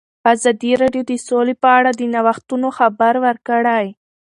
ازادي راډیو د سوله په اړه د نوښتونو خبر ورکړی.